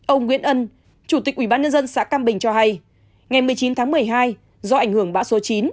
ông nguyễn ân chủ tịch ubnd xã cam bình cho hay ngày một mươi chín tháng một mươi hai do ảnh hưởng bão số chín